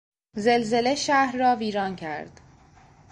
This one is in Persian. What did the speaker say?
زلزله شهر را ویران کرد.